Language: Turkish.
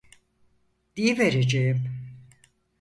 Diyivereceğim!